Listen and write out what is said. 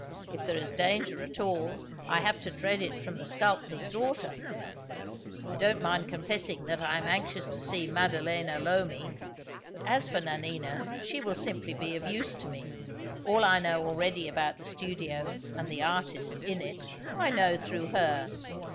If there is danger at all, I have to dread it from the sculptor's daughter. I don't mind confessing that I am anxious to see Maddalena Lomi. But as for Nanina, she will simply be of use to me. All I know already about the studio and the artists in it, I know through her.